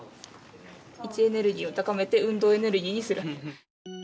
位置エネルギーを高めて運動エネルギーにする。